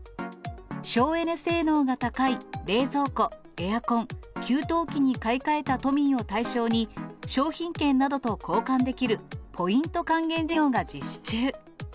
省エネ性能が高い冷蔵庫、エアコン、給湯器に買い替えた都民を対象に、商品券などと交換できるポイント還元事業が実施中。